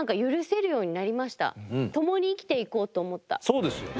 そうですよね。